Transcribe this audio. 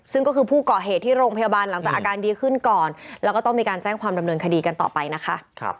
ซึ่งก็คือผู้ก่อเหตุที่โรงพยาบาลหลังจากอาการดีขึ้นก่อนแล้วก็ต้องมีการแจ้งความดำเนินคดีกันต่อไปนะคะ